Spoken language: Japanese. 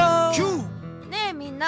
ねえみんな！